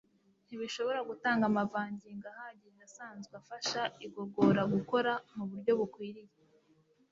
ntizishobora gutanga amavangingo ahagije asanzwe afasha igogora gukora mu buryo bukwiriye